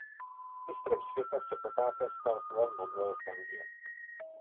Mistrem světa se popáté stal Juan Manuel Fangio.